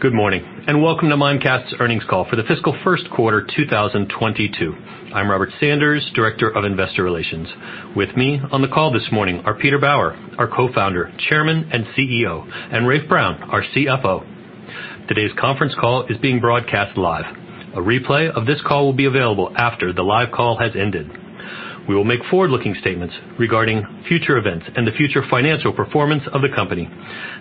Good morning, and welcome to Mimecast's earnings call for the fiscal first quarter 2022. I'm Robert Sanders, Director of Investor Relations. With me on the call this morning are Peter Bauer, our Co-Founder, Chairman, and Chief Executive Officer, and Rafe Brown, our Chief Financial Officer. Today's conference call is being broadcast live. A replay of this call will be available after the live call has ended. We will make forward-looking statements regarding future events and the future financial performance of the company.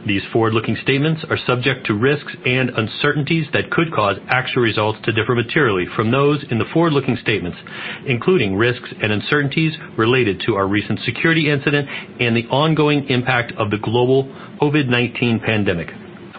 These forward-looking statements are subject to risks and uncertainties that could cause actual results to differ materially from those in the forward-looking statements, including risks and uncertainties related to our recent security incident and the ongoing impact of the global COVID-19 pandemic.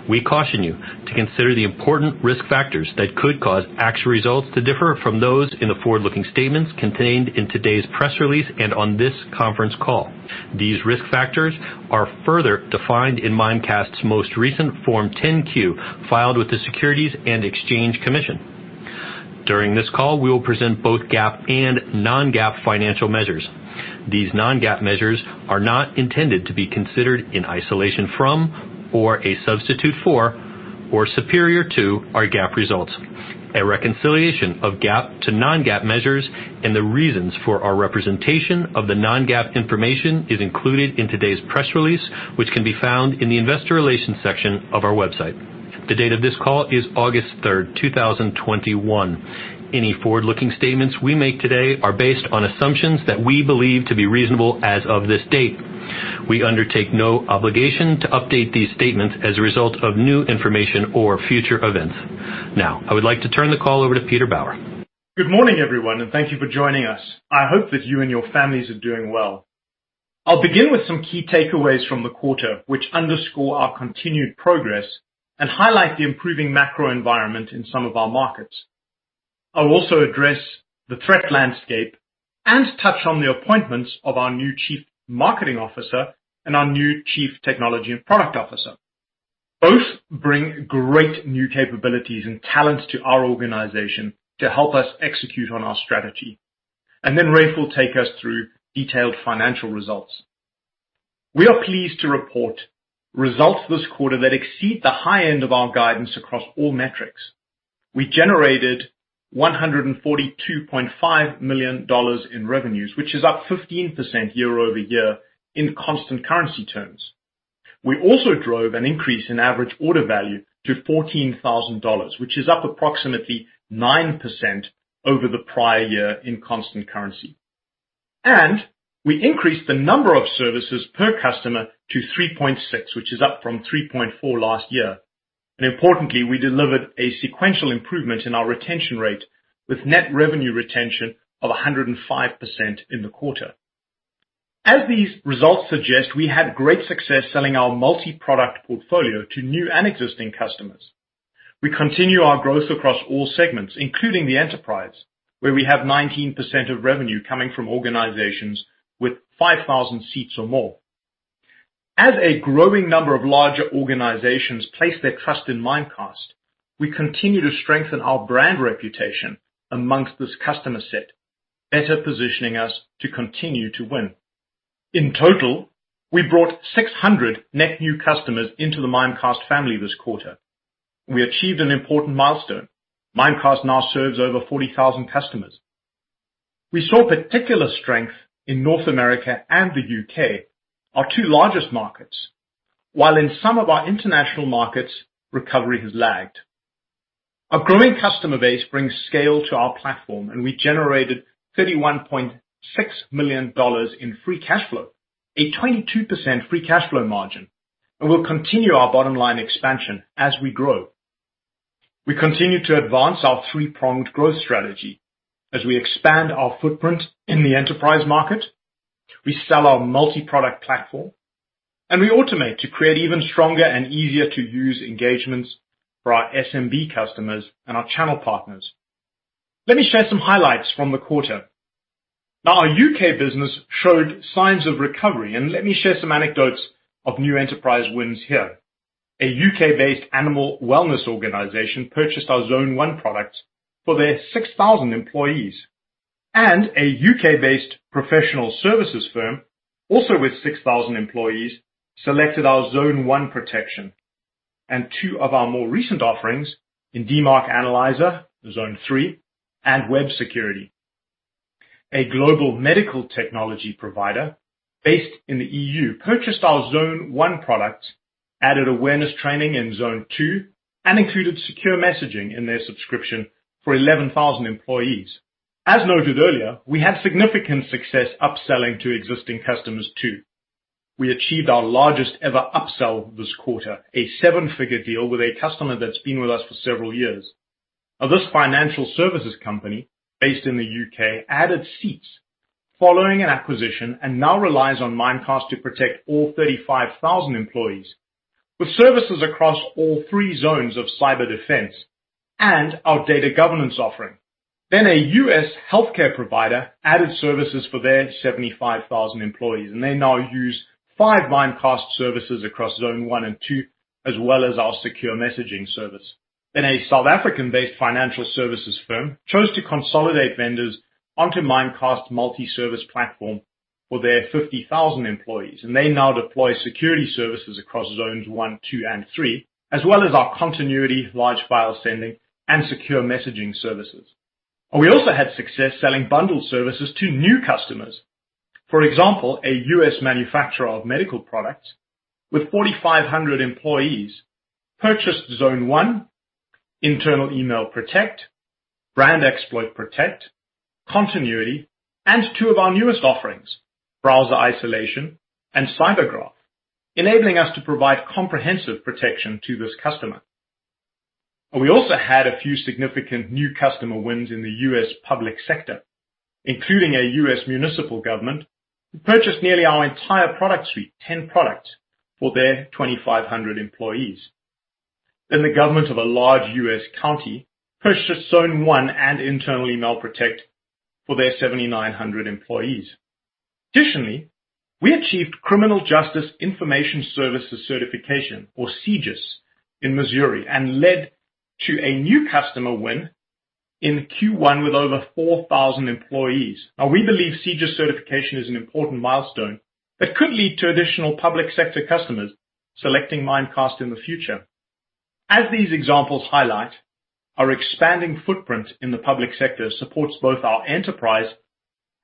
We caution you to consider the important risk factors that could cause actual results to differ from those in the forward-looking statements contained in today's press release, and on this conference call. These risk factors are further defined in Mimecast's most recent Form 10-Q filed with the Securities and Exchange Commission. During this call, we will present both GAAP and non-GAAP financial measures. These non-GAAP measures are not intended to be considered in isolation from, or a substitute for, or superior to our GAAP results. A reconciliation of GAAP to non-GAAP measures and the reasons for our representation of the non-GAAP information is included in today's press release, which can be found in the investor relations section of our website. The date of this call is August 3rd, 2021. Any forward-looking statements we make today are based on assumptions that we believe to be reasonable as of this date. We undertake no obligation to update these statements as a result of new information or future events. Now, I would like to turn the call over to Peter Bauer. Good morning, everyone, and thank you for joining us. I hope that you and your families are doing well. I'll begin with some key takeaways from the quarter, which underscore our continued progress and highlight the improving macro environment in some of our markets. I'll also address the threat landscape and touch on the appointments of our new Chief Marketing Officer and our new Chief Technology & Product Officer. Both bring great new capabilities and talents to our organization to help us execute on our strategy. Then Rafe will take us through detailed financial results. We are pleased to report results this quarter that exceed the high end of our guidance across all metrics. We generated $142.5 million in revenues, which is up 15% year-over-year in constant currency terms. We also drove an increase in average order value to $14,000, which is up approximately 9% over the prior year in constant currency. We increased the number of services per customer to 3.6, which is up from 3.4 last year. Importantly, we delivered a sequential improvement in our retention rate with net revenue retention of 105% in the quarter. As these results suggest, we had great success selling our multi-product portfolio to new and existing customers. We continue our growth across all segments, including the enterprise, where we have 19% of revenue coming from organizations with 5,000 seats or more. As a growing number of larger organizations place their trust in Mimecast, we continue to strengthen our brand reputation amongst this customer set, better positioning us to continue to win. In total, we brought 600 net new customers into the Mimecast family this quarter. We achieved an important milestone. Mimecast now serves over 40,000 customers. We saw particular strength in North America and the U.K., our two largest markets. In some of our international markets, recovery has lagged. Our growing customer base brings scale to our platform, and we generated $31.6 million in free cash flow, a 22% free cash flow margin, and we'll continue our bottom-line expansion as we grow. We continue to advance our three-pronged growth strategy as we expand our footprint in the enterprise market, we sell our multi-product platform, and we automate to create even stronger and easier-to-use engagements for our SMB customers and our channel partners. Let me share some highlights from the quarter. Our U.K. business showed signs of recovery, and let me share some anecdotes of new enterprise wins here. A U.K.-based animal wellness organization purchased our Zone 1 product for their 6,000 employees. A U.K.-based professional services firm, also with 6,000 employees, selected our Zone 1 protection and two of our more recent offerings in DMARC Analyzer, Zone 3, and Web Security. A global medical technology provider based in the EU purchased our Zone 1 product, added Awareness Training in Zone 2, and included Secure Messaging in their subscription for 11,000 employees. As noted earlier, we had significant success upselling to existing customers, too. We achieved our largest ever upsell this quarter, a $7-figure deal with a customer that's been with us for several years. This financial services company based in the U.K. added seats following an acquisition, and now relies on Mimecast to protect all 35,000 employees with services across all three zones of cyber defense and our data governance offering. A U.S. healthcare provider added services for their 75,000 employees, and they now use five Mimecast services across Zone 1 and 2, as well as our Secure Messaging service. A South African-based financial services firm chose to consolidate vendors onto Mimecast multi-service platform for their 50,000 employees, and they now deploy security services across Zones 1, 2, and 3, as well as our Continuity, Large File Send, and Secure Messaging services. We also had success selling bundled services to new customers. For example, a U.S. manufacturer of medical products with 4,500 employees purchased Zone 1, Internal Email Protect, Brand Exploit Protect, Continuity, and two of our newest offerings, Browser Isolation and CyberGraph, enabling us to provide comprehensive protection to this customer. We also had a few significant new customer wins in the U.S. public sector, including a U.S. municipal government, who purchased nearly our entire product suite, 10 products, for their 2,500 employees. The government of a large U.S. county purchased Zone 1 and Internal Email Protect for their 7,900 employees. Additionally, we achieved Criminal Justice Information Services certification, or CJIS, in Missouri and led to a new customer win in Q1 with over 4,000 employees. We believe CJIS certification is an important milestone that could lead to additional public sector customers selecting Mimecast in the future. As these examples highlight, our expanding footprint in the public sector supports both our enterprise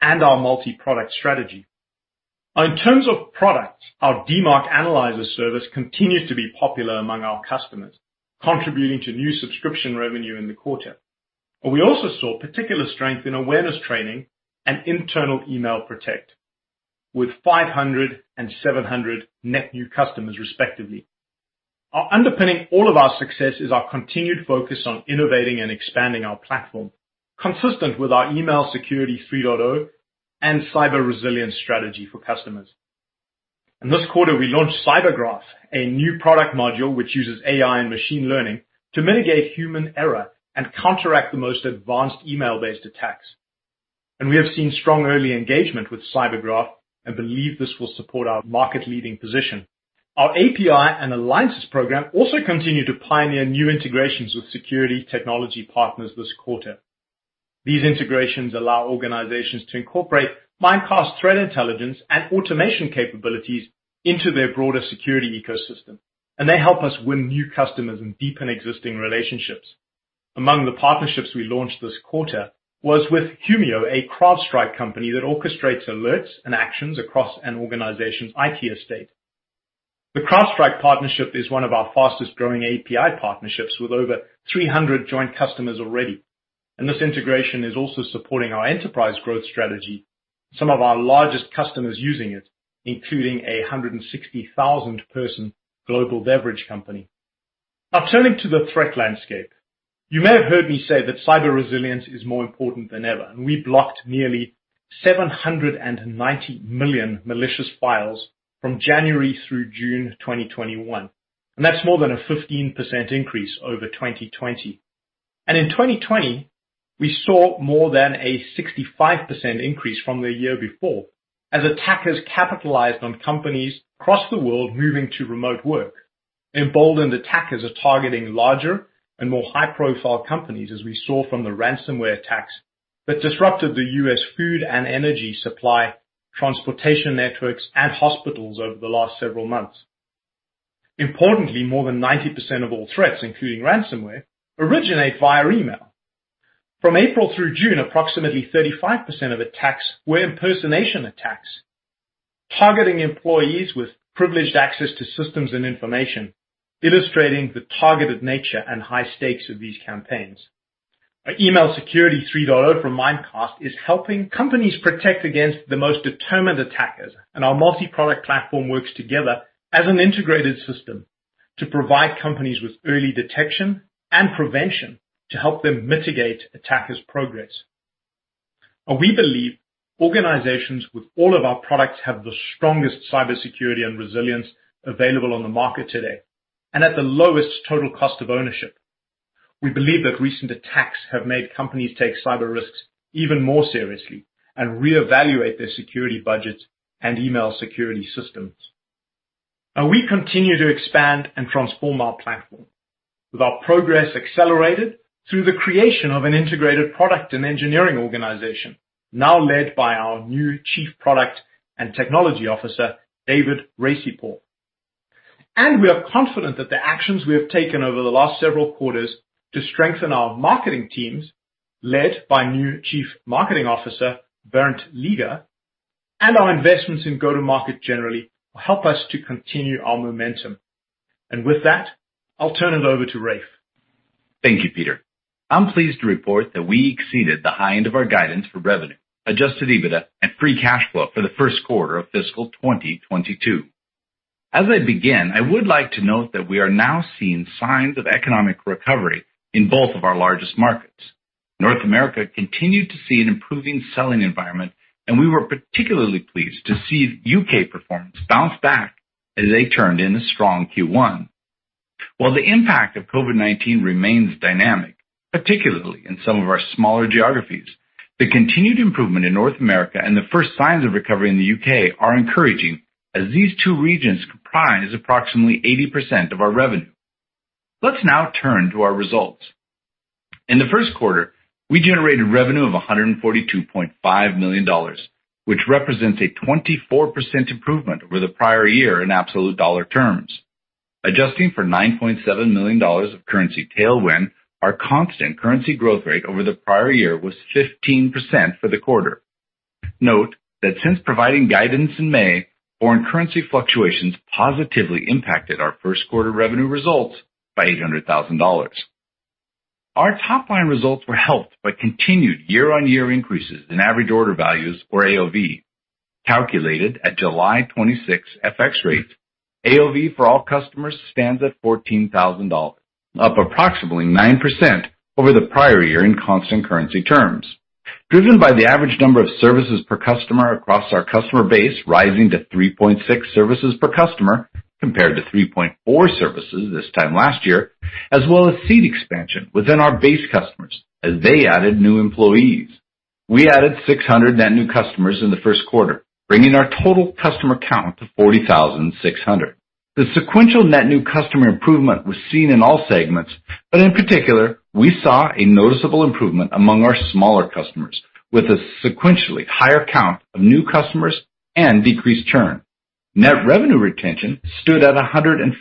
and our multiproduct strategy. In terms of products, our DMARC Analyzer service continues to be popular among our customers, contributing to new subscription revenue in the quarter. We also saw particular strength in Awareness Training and Internal Email Protect, with 500 and 700 net new customers respectively. Underpinning all of our success is our continued focus on innovating and expanding our platform, consistent with our Email Security 3.0 and cyber resilience strategy for customers. In this quarter, we launched CyberGraph, a new product module which uses AI and machine learning to mitigate human error and counteract the most advanced email-based attacks. We have seen strong early engagement with CyberGraph and believe this will support our market-leading position. Our API and alliances program also continued to pioneer new integrations with security technology partners this quarter. These integrations allow organizations to incorporate Mimecast threat intelligence and automation capabilities into their broader security ecosystem, and they help us win new customers and deepen existing relationships. Among the partnerships we launched this quarter was with Humio, a CrowdStrike company that orchestrates alerts and actions across an organization's IT estate. The CrowdStrike partnership is one of our fastest-growing API partnerships, with over 300 joint customers already, and this integration is also supporting our enterprise growth strategy, some of our largest customers using it, including a 160,000-person global beverage company. Turning to the threat landscape. You may have heard me say that cyber resilience is more important than ever, and we blocked nearly 790 million malicious files from January through June 2021, and that's more than a 15% increase over 2020. In 2020, we saw more than a 65% increase from the year before as attackers capitalized on companies across the world moving to remote work. Emboldened attackers are targeting larger and more high-profile companies, as we saw from the ransomware attacks that disrupted the U.S. food and energy supply, transportation networks, and hospitals over the last several months. Importantly, more than 90% of all threats, including ransomware, originate via email. From April through June, approximately 35% of attacks were impersonation attacks, targeting employees with privileged access to systems and information, illustrating the targeted nature and high stakes of these campaigns. Our Email Security 3.0 from Mimecast is helping companies protect against the most determined attackers. Our multiproduct platform works together as an integrated system to provide companies with early detection and prevention to help them mitigate attackers' progress. We believe organizations with all of our products have the strongest cybersecurity and resilience available on the market today and at the lowest total cost of ownership. We believe that recent attacks have made companies take cyber risks even more seriously and reevaluate their security budgets and email security systems. We continue to expand and transform our platform, with our progress accelerated through the creation of an integrated product and engineering organization now led by our new Chief Product and Technology Officer, David Raissipour. We are confident that the actions we have taken over the last several quarters to strengthen our marketing teams, led by new Chief Marketing Officer, Bernd Leger, and our investments in go-to-market generally, will help us to continue our momentum. With that, I'll turn it over to Rafe. Thank you, Peter. I'm pleased to report that we exceeded the high end of our guidance for revenue, adjusted EBITDA, and free cash flow for the first quarter of fiscal 2022. As I begin, I would like to note that we are now seeing signs of economic recovery in both of our largest markets. North America continued to see an improving selling environment, and we were particularly pleased to see U.K. performance bounce back as they turned in a strong Q1. While the impact of COVID-19 remains dynamic, particularly in some of our smaller geographies, the continued improvement in North America and the first signs of recovery in the U.K. are encouraging, as these two regions comprise approximately 80% of our revenue. Let's now turn to our results. In the first quarter, we generated revenue of $142.5 million, which represents a 24% improvement over the prior year in absolute dollar terms. Adjusting for $9.7 million of currency tailwind, our constant currency growth rate over the prior year was 15% for the quarter. Note that since providing guidance in May, foreign currency fluctuations positively impacted our first quarter revenue results by $800,000. Our top-line results were helped by continued year-on-year increases in average order values, or AOV. Calculated at July 26 FX rates, AOV for all customers stands at $14,000, up approximately 9% over the prior year in constant currency terms, driven by the average number of services per customer across our customer base rising to 3.6 services per customer, compared to 3.4 services this time last year, as well as seat expansion within our base customers as they added new employees. We added 600 net new customers in the first quarter, bringing our total customer count to 40,600. The sequential net new customer improvement was seen in all segments, but in particular, we saw a noticeable improvement among our smaller customers, with a sequentially higher count of new customers and decreased churn. Net revenue retention stood at 105%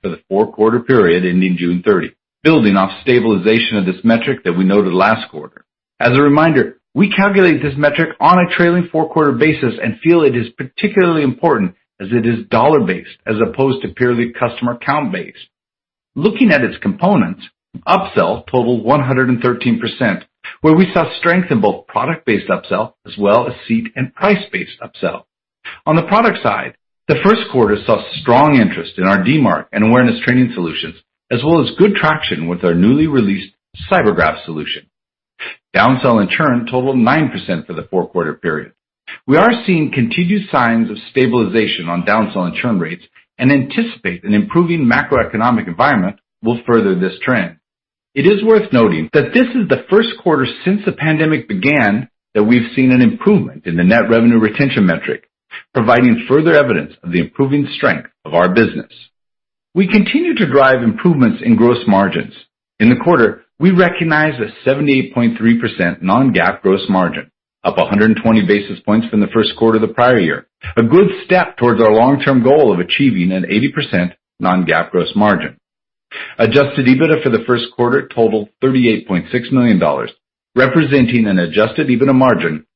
for the four-quarter period ending June 30, building off stabilization of this metric that we noted last quarter. As a reminder, we calculate this metric on a trailing four-quarter basis and feel it is particularly important as it is dollar-based as opposed to purely customer count-based. Looking at its components, upsell totaled 113%, where we saw strength in both product-based upsell as well as seat and price-based upsell. On the product side, the first quarter saw strong interest in our DMARC and awareness training solutions, as well as good traction with our newly released CyberGraph solution. Downsell and churn totaled 9% for the four-quarter period. We are seeing continued signs of stabilization on downsell and churn rates and anticipate an improving macroeconomic environment will further this trend. It is worth noting that this is the first quarter since the pandemic began that we've seen an improvement in the net revenue retention metric, providing further evidence of the improving strength of our business. We continue to drive improvements in gross margins. In the quarter, we recognized a 78.3% non-GAAP gross margin, up 120 basis points from the first quarter the prior year, a good step towards our long-term goal of achieving an 80% non-GAAP gross margin. Adjusted EBITDA for the first quarter totaled $38.6 million, representing an adjusted EBITDA margin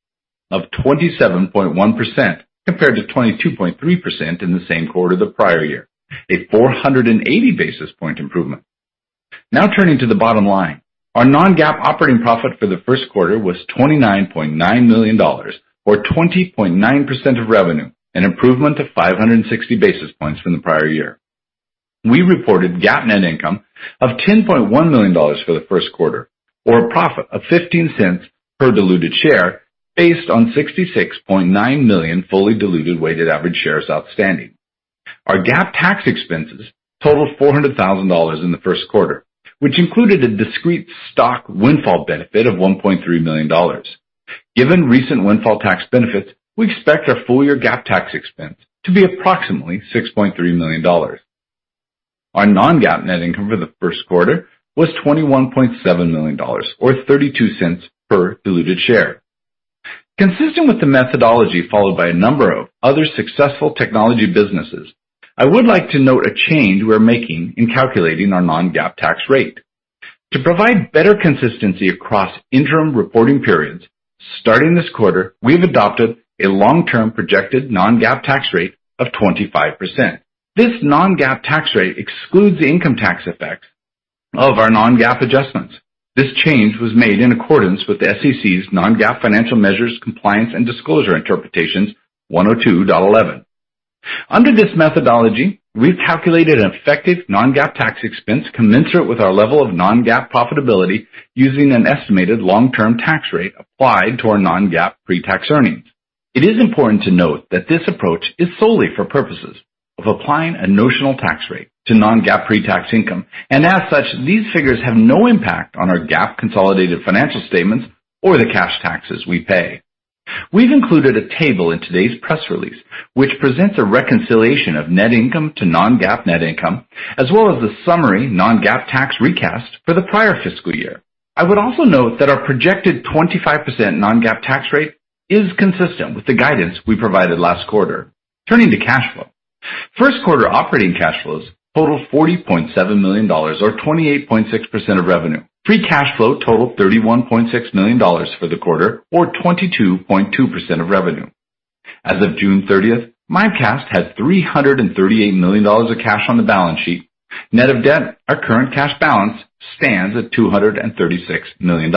of 27.1%, compared to 22.3% in the same quarter the prior year, a 480-basis point improvement. Turning to the bottom line. Our non-GAAP operating profit for the first quarter was $29.9 million, or 20.9% of revenue, an improvement of 560 basis points from the prior year. We reported GAAP net income of $10.1 million for the first quarter, or a profit of $0.15 per diluted share based on 66.9 million fully diluted weighted average shares outstanding. Our GAAP tax expenses totaled $400,000 in the first quarter, which included a discrete stock windfall benefit of $1.3 million. Given recent windfall tax benefits, we expect our full-year GAAP tax expense to be approximately $6.3 million. Our non-GAAP net income for the first quarter was $21.7 million, or $0.32 per diluted share. Consistent with the methodology followed by a number of other successful technology businesses, I would like to note a change we're making in calculating our non-GAAP tax rate. To provide better consistency across interim reporting periods, starting this quarter, we've adopted a long-term projected non-GAAP tax rate of 25%. This non-GAAP tax rate excludes the income tax effect of our non-GAAP adjustments. This change was made in accordance with the SEC's non-GAAP financial measures compliance and disclosure interpretations 102.11. Under this methodology, we've calculated an effective non-GAAP tax expense commensurate with our level of non-GAAP profitability using an estimated long-term tax rate applied to our non-GAAP pre-tax earnings. It is important to note that this approach is solely for purposes of applying a notional tax rate to non-GAAP pre-tax income, and as such, these figures have no impact on our GAAP consolidated financial statements or the cash taxes we pay. We've included a table in today's press release which presents a reconciliation of net income to non-GAAP net income, as well as the summary non-GAAP tax recast for the prior fiscal year. I would also note that our projected 25% non-GAAP tax rate is consistent with the guidance we provided last quarter. Turning to cash flow. First quarter operating cash flows totaled $40.7 million, or 28.6% of revenue. Free cash flow totaled $31.6 million for the quarter, or 22.2% of revenue. As of June 30th, Mimecast had $338 million of cash on the balance sheet. Net of debt, our current cash balance stands at $236 million.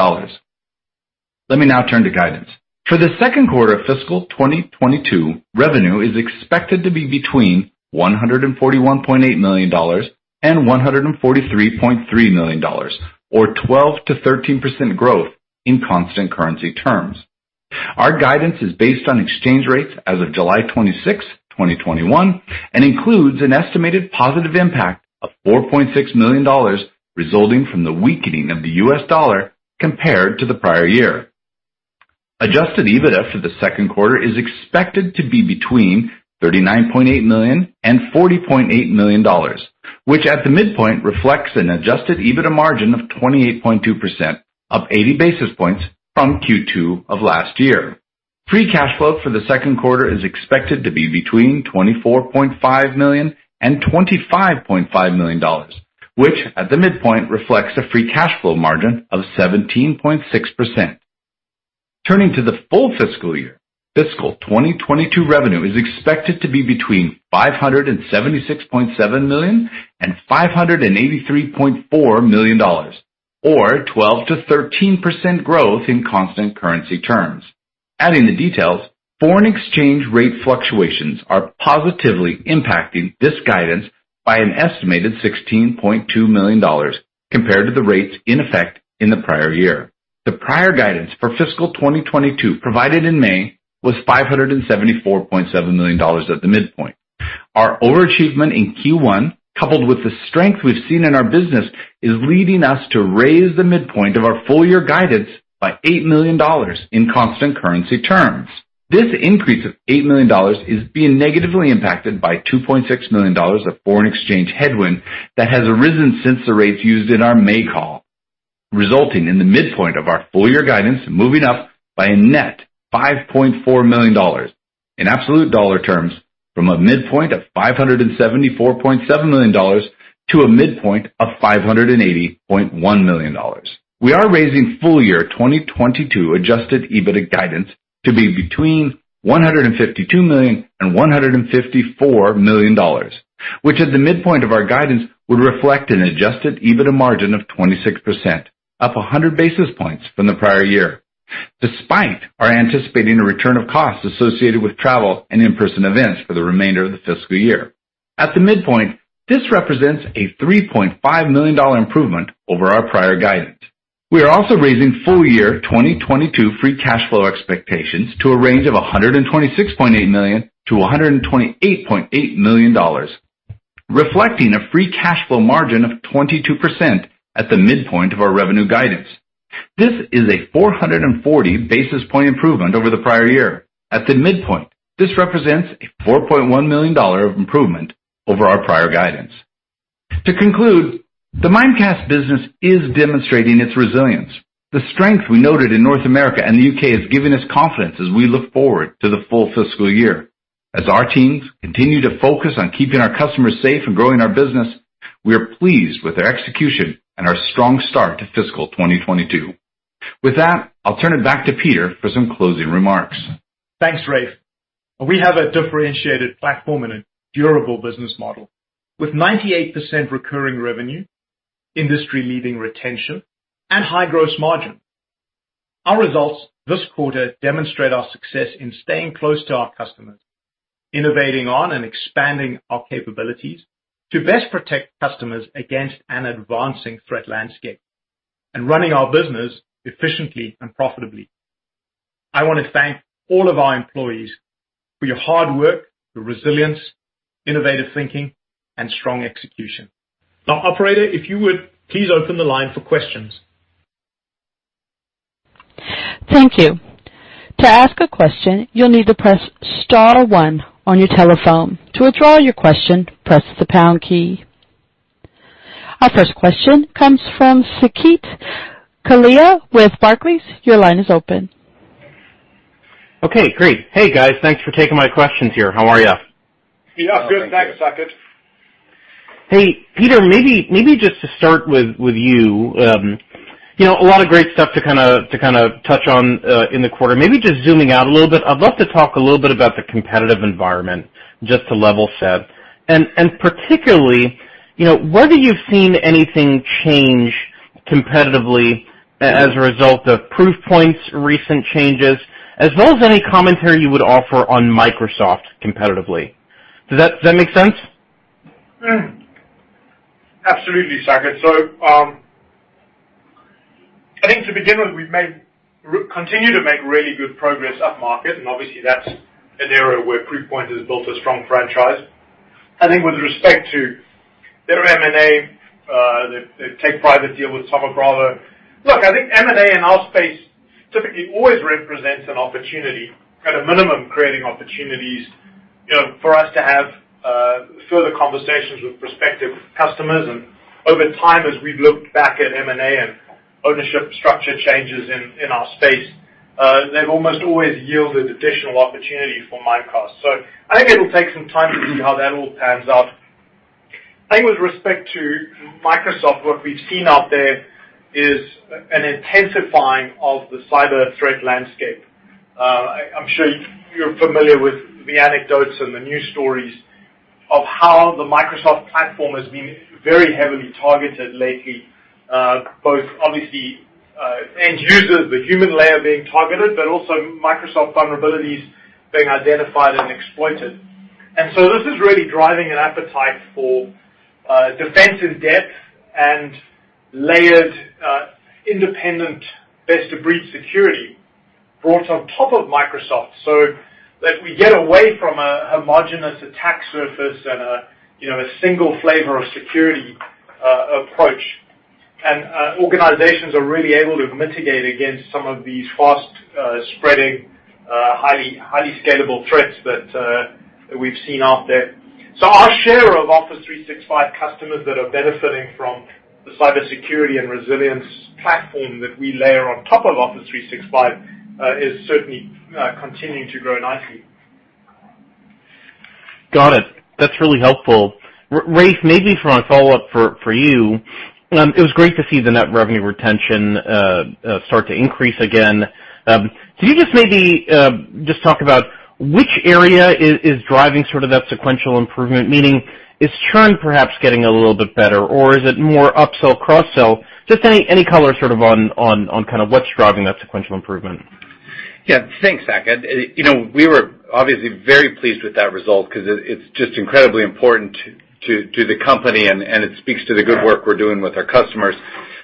Let me now turn to guidance. For the second quarter of fiscal 2022, revenue is expected to be between $141.8 million and $143.3 million, or 12%-13% growth in constant currency terms. Our guidance is based on exchange rates as of July 26, 2021, and includes an estimated positive impact of $4.6 million resulting from the weakening of the US dollar compared to the prior year. Adjusted EBITDA for the second quarter is expected to be between $39.8 million and $40.8 million, which at the midpoint reflects an adjusted EBITDA margin of 28.2%, up 80 basis points from Q2 of last year. Free cash flow for the second quarter is expected to be between $24.5 million and $25.5 million, which at the midpoint reflects a free cash flow margin of 17.6%. Turning to the full fiscal year, fiscal 2022 revenue is expected to be between $576.7 million and $583.4 million, or 12%-13% growth in constant currency terms. Adding the details, foreign exchange rate fluctuations are positively impacting this guidance by an estimated $16.2 million compared to the rates in effect in the prior year. The prior guidance for fiscal 2022 provided in May was $574.7 million at the midpoint. Our overachievement in Q1, coupled with the strength we've seen in our business, is leading us to raise the midpoint of our full-year guidance by $8 million in constant currency terms. This increase of $8 million is being negatively impacted by $2.6 million of foreign exchange headwind that has arisen since the rates used in our May call, resulting in the midpoint of our full-year guidance moving up by a net $5.4 million in absolute dollar terms from a midpoint of $574.7 million to a midpoint of $580.1 million. We are raising full-year 2022 adjusted EBITDA guidance to be between $152 million and $154 million, which at the midpoint of our guidance would reflect an adjusted EBITDA margin of 26%, up 100 basis points from the prior year, despite our anticipating a return of costs associated with travel and in-person events for the remainder of the fiscal year. At the midpoint, this represents a $3.5 million improvement over our prior guidance. We are also raising full-year 2022 free cash flow expectations to a range of $126.8 million-$128.8 million, reflecting a free cash flow margin of 22% at the midpoint of our revenue guidance. This is a 440-basis point improvement over the prior year. At the midpoint, this represents a $4.1 million of improvement over our prior guidance. To conclude, the Mimecast business is demonstrating its resilience. The strength we noted in North America and the U.K. has given us confidence as we look forward to the full fiscal year. As our teams continue to focus on keeping our customers safe and growing our business, we are pleased with their execution and our strong start to fiscal 2022. With that, I'll turn it back to Peter for some closing remarks. Thanks, Rafe. We have a differentiated platform and a durable business model. With 98% recurring revenue, industry-leading retention, and high gross margin, our results this quarter demonstrate our success in staying close to our customers, innovating on and expanding our capabilities to best protect customers against an advancing threat landscape, and running our business efficiently and profitably. I want to thank all of our employees for your hard work, your resilience, innovative thinking, and strong execution. Now, operator, if you would please open the line for questions. Thank you. To ask a question, you need to press star one on your telephone. To withdraw your question, press the pound key. Our first question comes from Saket Kalia with Barclays. Your line is open. Okay, great. Hey, guys. Thanks for taking my questions here. How are you? Yeah, good. Thanks, Saket. Hey, Peter, maybe just to start with you. A lot of great stuff to kind of touch on in the quarter. Maybe just zooming out a little bit, I'd love to talk a little bit about the competitive environment, just to level set. Particularly, whether you've seen anything change competitively as a result of Proofpoint's recent changes, as well as any commentary you would offer on Microsoft competitively. Does that make sense? Absolutely, Saket. I think to begin with, we continue to make really good progress up market, and obviously that's an area where Proofpoint has built a strong franchise. I think with respect to their M&A, the take-private deal with Thoma Bravo. Look, I think M&A in our space typically always represents an opportunity, at a minimum, creating opportunities for us to have further conversations with prospective customers. Over time, as we've looked back at M&A and ownership structure changes in our space, they've almost always yielded additional opportunity for Mimecast. I think it'll take some time to see how that all pans out. I think with respect to Microsoft, what we've seen out there is an intensifying of the cyber threat landscape. I'm sure you're familiar with the anecdotes and the news stories of how the Microsoft platform has been very heavily targeted lately, both obviously, end users, the human layer being targeted, but also Microsoft vulnerabilities being identified and exploited. This is really driving an appetite for defensive depth and layered independent best-of-breed security brought on top of Microsoft, so that we get away from a homogenous attack surface and a single flavor of security-approach. Organizations are really able to mitigate against some of these fast-spreading, highly scalable threats that we've seen out there. Our share of Office 365 customers that are benefiting from the cybersecurity and resilience platform that we layer on top of Office 365 is certainly continuing to grow nicely. Got it. That's really helpful. Rafe, maybe for a follow-up for you, it was great to see the net revenue retention start to increase again. Can you just maybe just talk about which area is driving sort of that sequential improvement? Meaning, is churn perhaps getting a little bit better, or is it more upsell, cross-sell? Just any color sort of on kind of what's driving that sequential improvement. Yeah. Thanks, Saket. We were obviously very pleased with that result because it's just incredibly important to the company, and it speaks to the good work we're doing with our customers.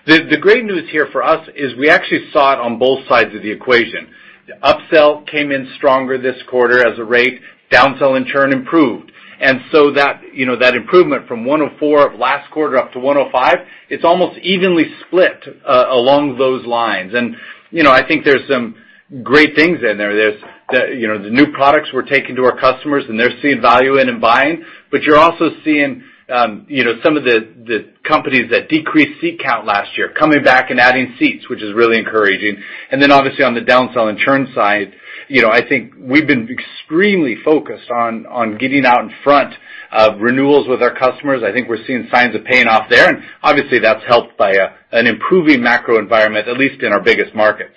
The great news here for us is we actually saw it on both sides of the equation. The upsell came in stronger this quarter as a rate, downsell and churn improved. That improvement from 104 of last quarter up to 105, it's almost evenly split along those lines. I think there's some great things in there. There's the new products we're taking to our customers, and they're seeing value in and buying. You're also seeing some of the companies that decreased seat count last year coming back and adding seats, which is really encouraging. Obviously on the downsell and churn side, I think we've been extremely focused on getting out in front of renewals with our customers. I think we're seeing signs of paying off there, and obviously that's helped by an improving macro environment, at least in our biggest markets.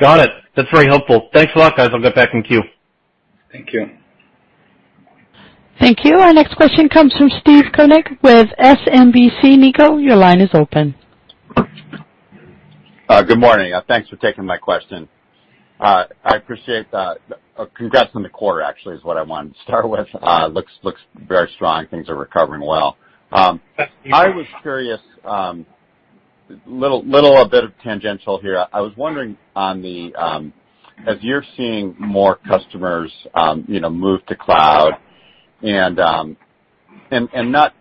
Got it. That's very helpful. Thanks a lot, guys. I'll get back in queue. Thank you. Thank you. Our next question comes from Steve Koenig with SMBC Nikko your line is open. Good morning. Thanks for taking my question. I appreciate the congrats on the quarter, actually, is what I wanted to start with. Looks very strong. Things are recovering well. Yes. I was curious, little a bit of tangential here. I was wondering, as you're seeing more customers move to cloud and not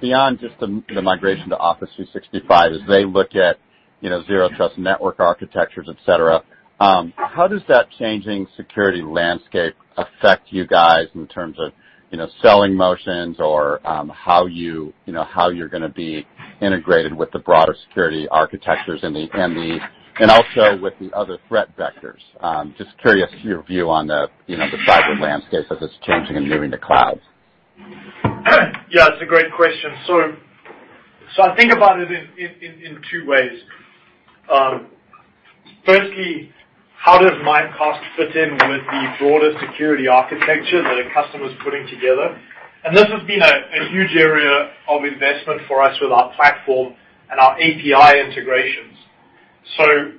beyond just the migration to Office 365 as they look at zero trust network architectures, et cetera, how does that changing security landscape affect you guys in terms of selling motions or how you're gonna be integrated with the broader security architectures and also with the other threat vectors? Just curious your view on the cyber landscape as it's changing and moving to cloud. Yeah, it's a great question. I think about it in two ways. Firstly, how does Mimecast fit in with the broader security architecture that a customer's putting together? This has been a huge area of investment for us with our platform and our API integrations.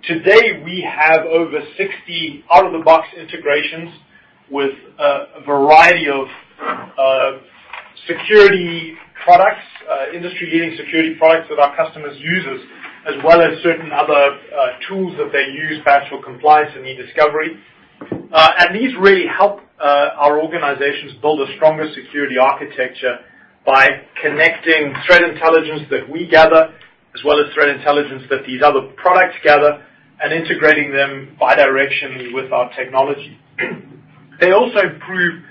Today, we have over 60 out-of-the-box integrations with a variety of security products, industry-leading security products that our customers use, as well as certain other tools that they use for actual compliance and e-discovery. These really help our organizations build a stronger security architecture by connecting threat intelligence that we gather, as well as threat intelligence that these other products gather, and integrating them bi-directionally with our technology. They also improve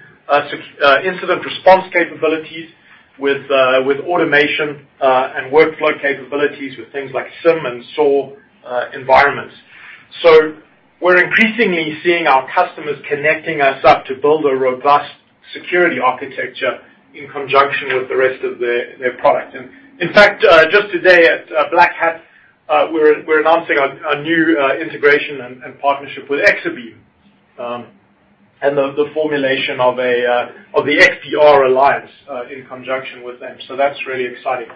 incident response capabilities with automation and workflow capabilities with things like SIEM and SOAR environments. We're increasingly seeing our customers connecting us up to build a robust security architecture in conjunction with the rest of their product. In fact, just today at Black Hat, we're announcing a new integration and partnership with Exabeam, and the formulation of the XDR Alliance in conjunction with them. That's really exciting.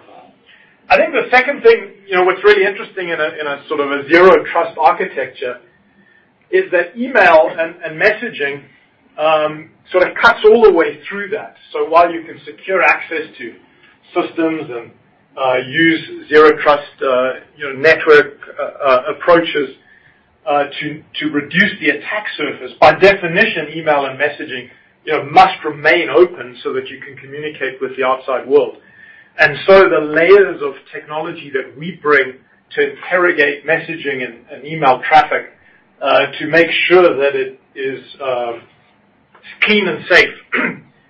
I think the second thing, what's really interesting in a sort of a zero trust architecture is that email and messaging sort of cuts all the way through that. While you can secure access to systems and use zero trust network approaches to reduce the attack surface, by definition, email and messaging must remain open so that you can communicate with the outside world. The layers of technology that we bring to interrogate messaging and email traffic to make sure that it is clean and safe,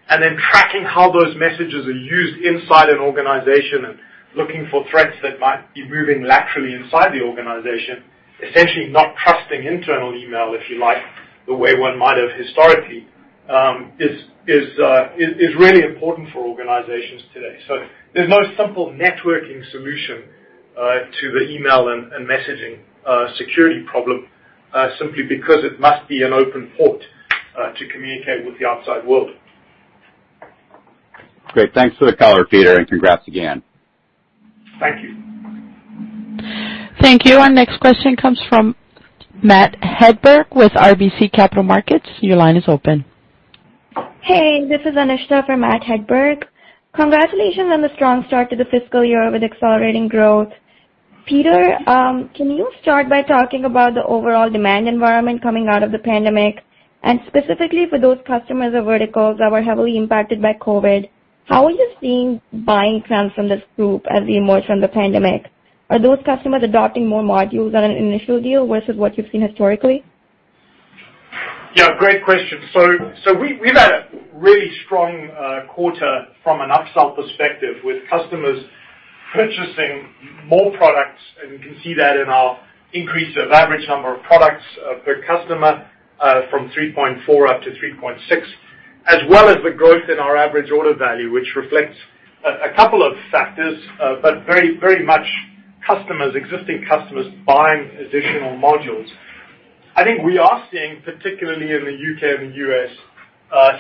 and then tracking how those messages are used inside an organization and looking for threats that might be moving laterally inside the organization, essentially not trusting internal email, if you like, the way one might have historically, is really important for organizations today. There's no simple networking solution to the email and messaging security problem, simply because it must be an open port to communicate with the outside world. Great. Thanks for the color, Peter, and congrats again. Thank you. Thank you. Our next question comes from Matt Hedberg with RBC Capital Markets. Your line is open. Hey, this is Anushka for Matt Hedberg. Congratulations on the strong start to the fiscal year with accelerating growth. Peter, can you start by talking about the overall demand environment coming out of the pandemic, and specifically for those customers or verticals that were heavily impacted by COVID, how are you seeing buying trends from this group as we emerge from the pandemic? Are those customers adopting more modules on an initial deal versus what you've seen historically? Great question. We've had a really strong quarter from an upsell perspective with customers purchasing more products, and you can see that in our increase of average number of products per customer from 3.4 up to 3.6. As well as the growth in our average order value, which reflects a couple of factors, but very much existing customers buying additional modules. I think we are seeing, particularly in the U.K. and the U.S.,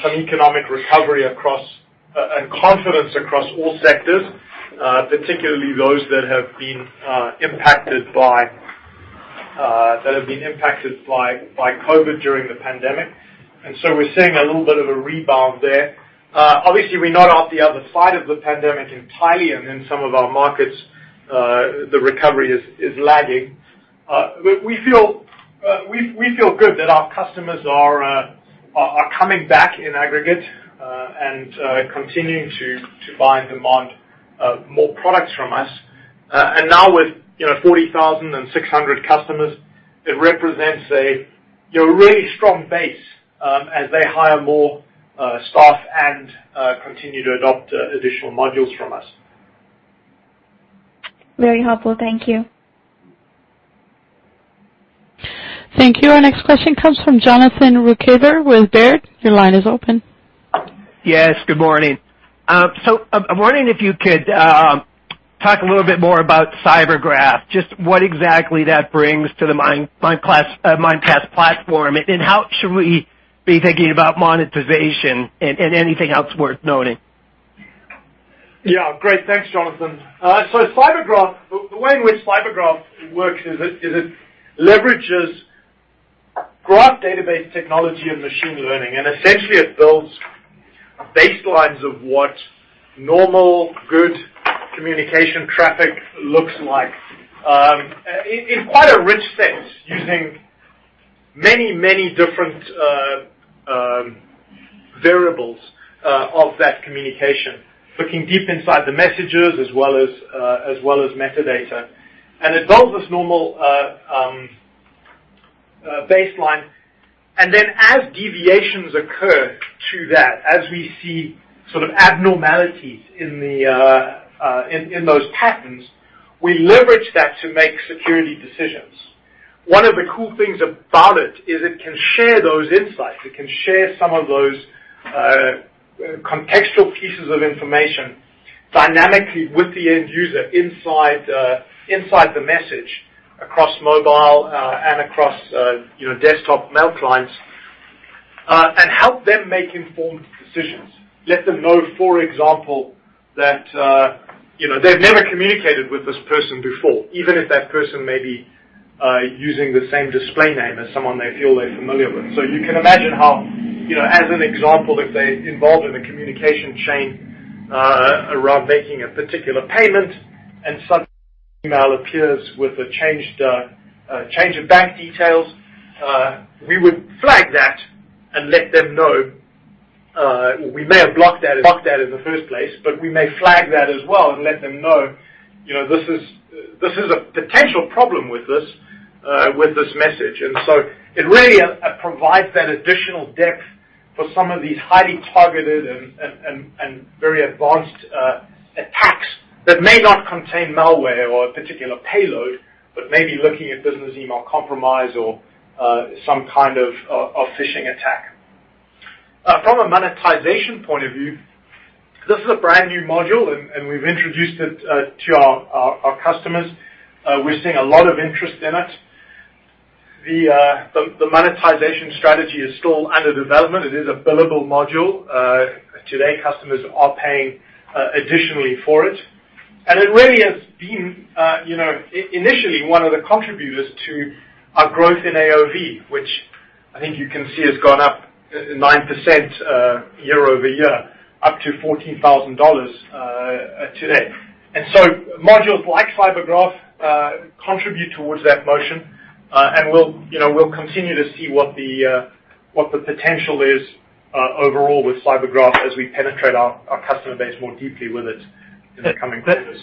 some economic recovery and confidence across all sectors, particularly those that have been impacted by COVID during the pandemic. We're seeing a little bit of a rebound there. Obviously, we're not off the other side of the pandemic entirely, and in some of our markets, the recovery is lagging. We feel good that our customers are coming back in aggregate and continuing to buy and demand more products from us. Now with 40,600 customers, it represents a really strong base as they hire more staff and continue to adopt additional modules from us. Very helpful. Thank you. Thank you. Our next question comes from Jonathan Ruykhaver with Baird. Your line is open. Yes, good morning. I'm wondering if you could talk a little bit more about CyberGraph, just what exactly that brings to the Mimecast platform, and how should we be thinking about monetization and anything else worth noting? Yeah. Great. Thanks, Jonathan. The way in which CyberGraph works is it leverages graph database technology and machine learning, and essentially it builds baselines of what normal, good communication traffic looks like in quite a rich sense, using many different variables of that communication, looking deep inside the messages as well as metadata. It builds this normal baseline, and then as deviations occur to that, as we see sort of abnormalities in those patterns, we leverage that to make security decisions. One of the cool things about it is it can share those insights. It can share some of those contextual pieces of information dynamically with the end user inside the message across mobile and across desktop mail clients, and help them make informed decisions. Let them know, for example, that they've never communicated with this person before, even if that person may be using the same display name as someone they feel they're familiar with. You can imagine how, as an example, if they're involved in a communication chain around making a particular payment and some email appears with a change of bank details, we would flag that and let them know. We may have blocked that in the first place, we may flag that as well and let them know this is a potential problem with this message. It really provides that additional depth for some of these highly targeted and very advanced attacks that may not contain malware or a particular payload, but may be looking at business email compromise or some kind of phishing attack. From a monetization point of view, this is a brand-new module, and we've introduced it to our customers. We're seeing a lot of interest in it. The monetization strategy is still under development. It is a billable module. Today, customers are paying additionally for it. It really has been initially one of the contributors to our growth in AOV, which I think you can see has gone up 9% year-over-year, up to $14,000 today. Modules like CyberGraph contribute towards that motion. We'll continue to see what the potential is overall with CyberGraph as we penetrate our customer base more deeply with it in the coming quarters.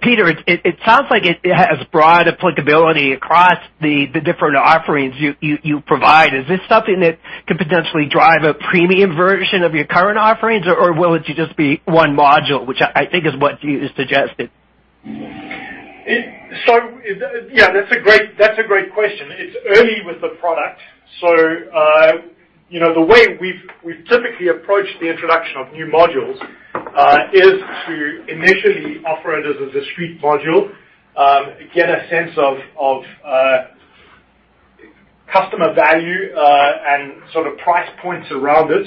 Peter, it sounds like it has broad applicability across the different offerings you provide. Is this something that could potentially drive a premium version of your current offerings, or will it just be one module, which I think is what you suggested? Yeah. That's a great question. It's early with the product. The way we've typically approached the introduction of new modules is to initially offer it as a discrete module. Get a sense of customer value and sort of price points around it.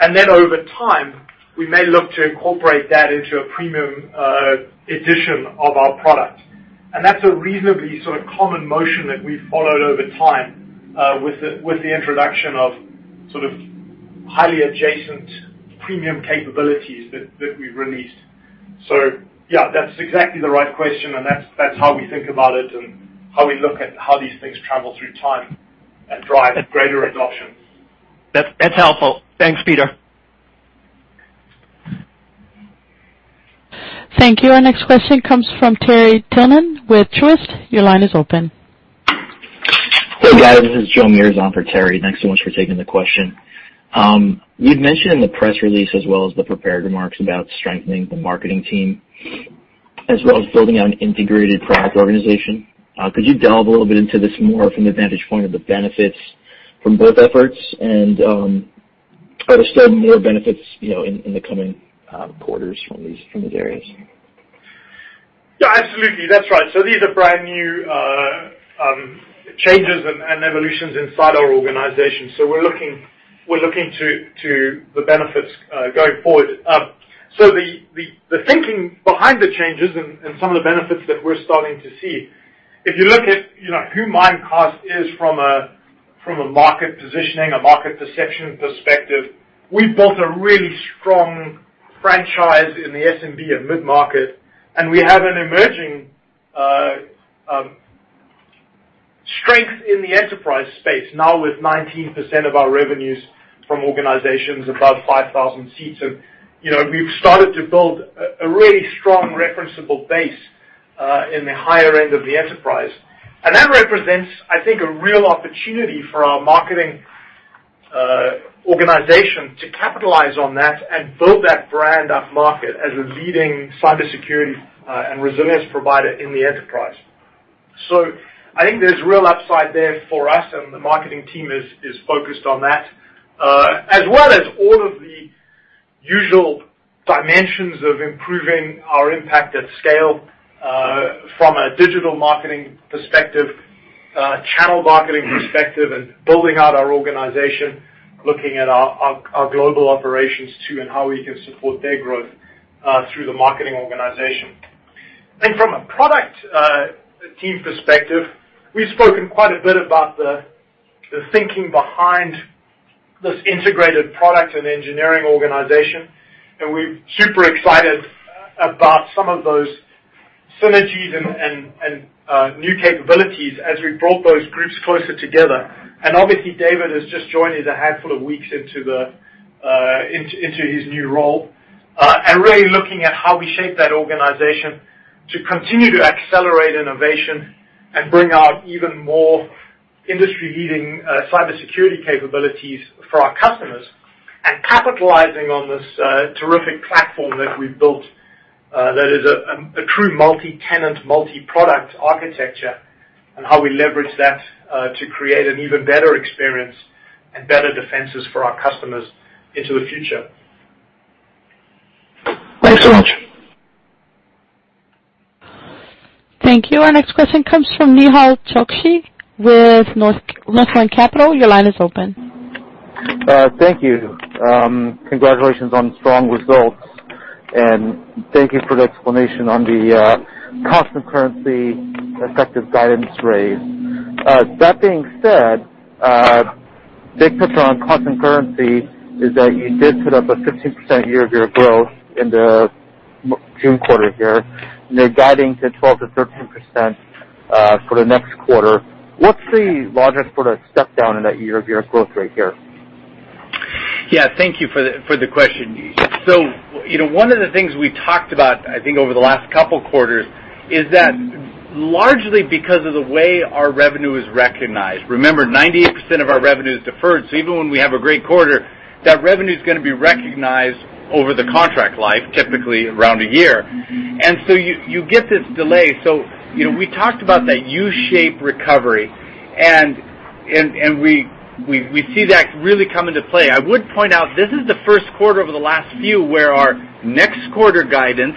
Over time, we may look to incorporate that into a premium edition of our product. That's a reasonably sort of common motion that we've followed over time with the introduction of sort of highly adjacent premium capabilities that we've released. Yeah, that's exactly the right question, that's how we think about it and how we look at how these things travel through time and drive greater adoption. That's helpful. Thanks, Peter. Thank you. Our next question comes from Terry Tillman with Truist. Your line is open. Hey, guys. This is Joe Meares on for Terry. Thanks so much for taking the question. You mentioned in the press release as well as the prepared remarks about strengthening the marketing team, as well as building out an integrated product organization. Could you delve a little bit into this more from the vantage point of the benefits from both efforts? Are there still more benefits in the coming quarters from these areas? Yeah, absolutely. That's right. These are brand-new changes and evolutions inside our organization. We're looking to the benefits going forward. The thinking behind the changes and some of the benefits that we're starting to see, if you look at who Mimecast is from a market positioning, a market perception perspective, we've built a really strong franchise in the SMB and mid-market, and we have an emerging strength in the enterprise space now with 19% of our revenues from organizations above 5,000 seats. We've started to build a really strong referenceable base in the higher end of the enterprise. That represents, I think, a real opportunity for our marketing organization to capitalize on that and build that brand upmarket as a leading cybersecurity and resilience provider in the enterprise. I think there's real upside there for us, and the marketing team is focused on that. As well as all of the usual dimensions of improving our impact at scale, from a digital marketing perspective, channel marketing perspective, and building out our organization, looking at our global operations too, and how we can support their growth through the marketing organization. I think from a product team perspective, we've spoken quite a bit about the thinking behind this integrated product and engineering organization, and we're super excited about some of those synergies and new capabilities as we brought those groups closer together. Obviously, David has just joined us a handful of weeks into his new role, and really looking at how we shape that organization to continue to accelerate innovation and bring out even more industry-leading cybersecurity capabilities for our customers. Capitalizing on this terrific platform that we've built that is a true multi-tenant, multi-product architecture, and how we leverage that to create an even better experience and better defenses for our customers into the future. Thanks so much. Thank you. Our next question comes from Nehal Chokshi with Northland Capital. Your line is open. Thank you. Congratulations on strong results. Thank you for the explanation on the constant currency effective guidance raise. That being said, big picture on constant currency is that you did put up a 15% year-over-year growth in the June quarter here, and you're guiding to 12%-13% for the next quarter. What's the largest sort of step down in that year-over-year growth rate here? Yeah, thank you for the question. One of the things we talked about, I think, over the last couple of quarters is that largely because of the way our revenue is recognized. Remember, 98% of our revenue is deferred. Even when we have a great quarter, that revenue is going to be recognized over the contract life, typically around a year. You get this delay. We talked about that U-shaped recovery, and we see that really come into play. I would point out, this is the first quarter over the last few where our next quarter guidance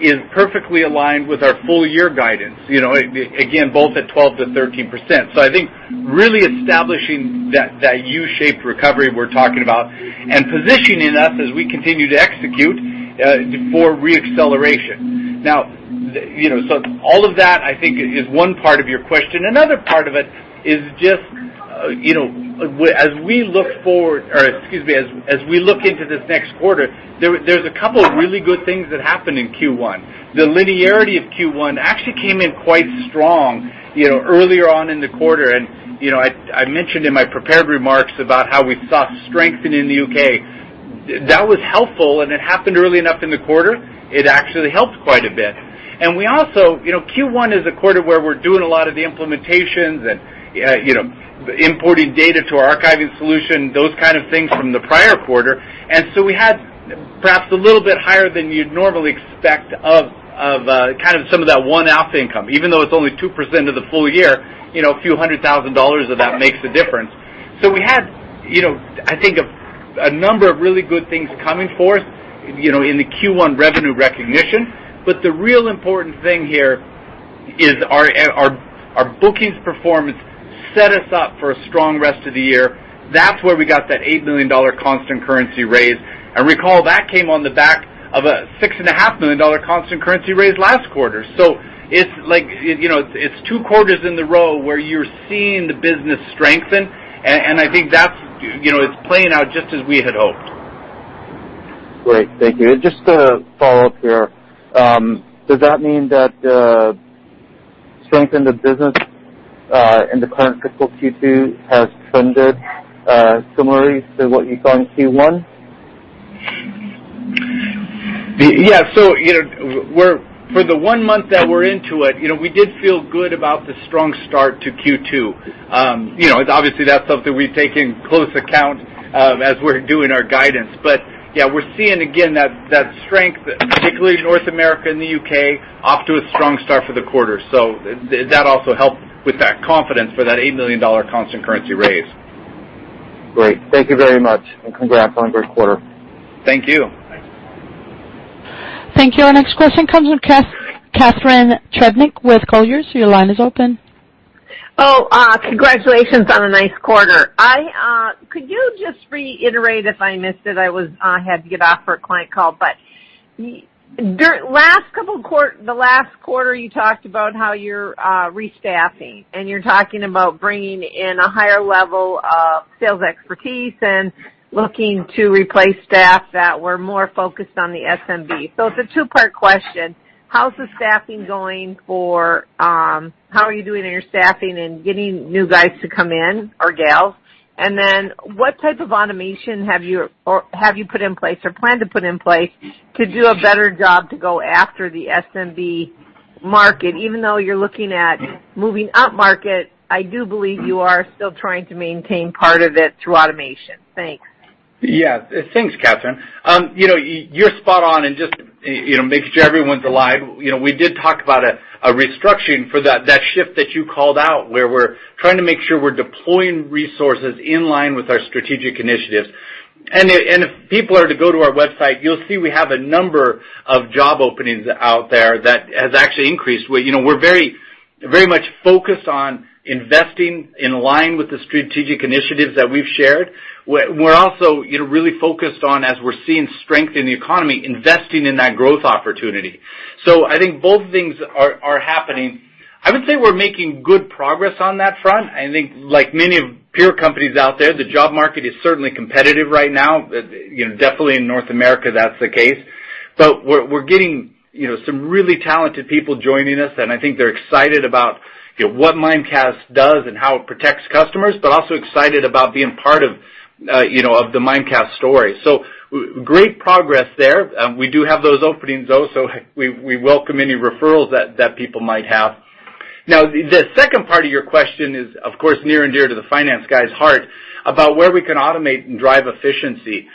is perfectly aligned with our full-year guidance, again, both at 12%-13%. I think really establishing that U-shaped recovery we're talking about and positioning us as we continue to execute for re-acceleration. All of that, I think, is one part of your question. Another part of it is just as we look forward or, excuse me, as we look into this next quarter, there's a couple of really good things that happened in Q1. The linearity of Q1 actually came in quite strong earlier on in the quarter. I mentioned in my prepared remarks about how we saw strengthening in the U.K. That was helpful, and it happened early enough in the quarter. It actually helped quite a bit. Q1 is a quarter where we're doing a lot of the implementations and importing data to our archiving solution, those kind of things from the prior quarter. We had perhaps a little bit higher than you'd normally expect of kind of some of that one-off income, even though it's only 2% of the full-year, a few hundred thousand dollars of that makes a difference. We had I think a number of really good things coming for us in the Q1 revenue recognition. The real important thing here is our bookings performance set us up for a strong rest of the year. That's where we got that $8 million constant currency raise. Recall, that came on the back of a $6.5 million constant currency raise last quarter. It's two quarters in the row where you're seeing the business strengthen, and I think it's playing out just as we had hoped. Great. Thank you. Just to follow up here, does that mean that the strength in the business in the current fiscal Q2 has trended similarly to what you saw in Q1? Yeah. For the one month that we're into it, we did feel good about the strong start to Q2. Obviously, that's something we take in close account as we're doing our guidance. Yeah, we're seeing again that strength, particularly North America and the U.K., off to a strong start for the quarter. That also helped with that confidence for that $80 million constant currency raise. Great. Thank you very much, and congrats on a great quarter. Thank you. Thank you. Our next question comes from Catharine Trebnick with Colliers. Your line is open. Oh, congratulations on a nice quarter. Could you just reiterate if I missed it? I had to get off for a client call. The last quarter, you talked about how you're restaffing, and you're talking about bringing in a higher level of sales expertise and looking to replace staff that were more focused on the SMB. It's a two-part question. How are you doing on your staffing and getting new guys to come in, or gals? Then what type of automation have you put in place or plan to put in place to do a better job to go after the SMB market? Even though you're looking at moving up market, I do believe you are still trying to maintain part of it through automation. Thanks. Yeah. Thanks, Catharine. You're spot on, just making sure everyone's alive. We did talk about a restructuring for that shift that you called out, where we're trying to make sure we're deploying resources in line with our strategic initiatives. If people are to go to our website, you'll see we have a number of job openings out there that has actually increased. We're very much focused on investing in line with the strategic initiatives that we've shared. We're also really focused on, as we're seeing strength in the economy, investing in that growth opportunity. I think both things are happening. I would say we're making good progress on that front. I think like many peer companies out there, the job market is certainly competitive right now. Definitely in North America that's the case. We're getting some really talented people joining us, and I think they're excited about what Mimecast does and how it protects customers, but also excited about being part of the Mimecast story. Great progress there. We do have those openings though, we welcome any referrals that people might have. The second part of your question is of course near and dear to the finance guy's heart about where we can automate and drive efficiency.